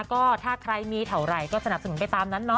ก็ถ้าใครมีเท่าไหร่ก็สนับสนุนไปตามนั้นเนาะ